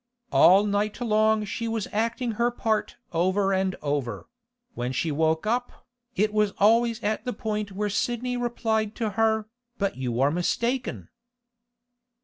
All night long she was acting her part over and over; when she woke up, it was always at the point where Sidney replied to her, 'But you are mistaken!